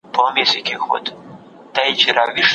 هغوی اوبه څښي.